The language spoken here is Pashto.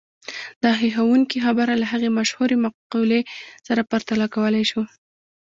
دا هيښوونکې خبره له هغې مشهورې مقولې سره پرتله کولای شو.